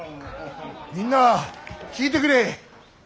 みんな聞いてくれ。